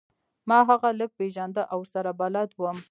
ما هغه لږ پیژنده او ورسره بلد وم